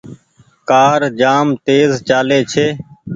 ڪآر جآم تيز چآلي ڇي۔